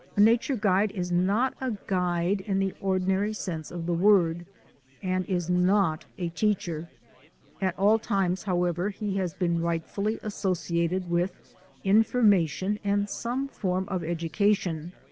A nature guide is not a guide in the ordinary sense of the word, and is not a teacher. At all times, however, he has been rightfully associated with information and some form of education.